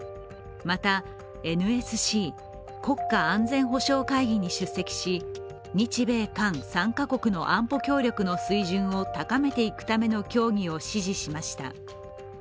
また、ＮＳＣ＝国家安全保障会議に出席し、日米韓３か国の安保協力の水準を高めていくための協議を指示しました。